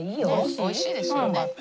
おいしいですよね。